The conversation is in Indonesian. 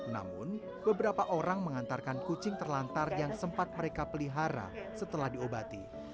namun beberapa orang mengantarkan kucing terlantar yang sempat mereka pelihara setelah diobati